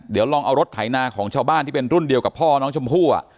เดี๋ยวลองเอารถไถนาของชาวบ้านที่เป็นรุ่นเดียวกับพ่อน้องชมพู่